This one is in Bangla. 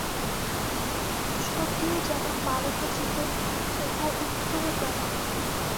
ঐ অবস্থায় প্রশ্নটিও যেমন বালকোচিত, উহার উত্তরও তেমনি।